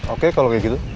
oke kalau kayak gitu